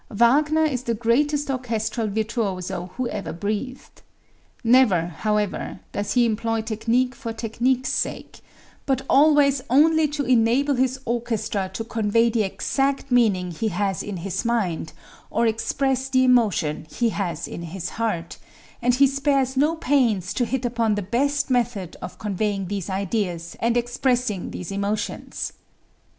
Wagner is the greatest orchestral virtuoso who ever breathed. Never, however, does he employ technique for technique's sake, but always only to enable his orchestra to convey the exact meaning he has in his mind or express the emotion he has in his heart, and he spares no pains to hit upon the best method of conveying these ideas and expressing these emotions.